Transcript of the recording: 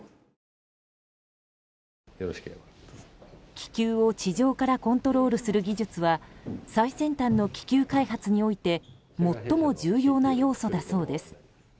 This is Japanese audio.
気球を地上からコントロールする技術は最先端の気球開発において最も重要な要素だそうです。